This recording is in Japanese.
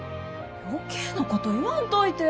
余計なこと言わんといて！